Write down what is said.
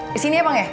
disini ya bang ya